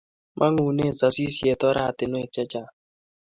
Mangune sasishet oratinwek chechang